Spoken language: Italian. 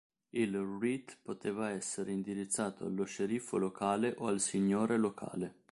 Il Writ poteva essere indirizzato o allo sceriffo locale o al signore locale.